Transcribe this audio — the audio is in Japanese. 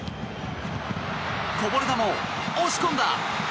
こぼれ球を押し込んだ！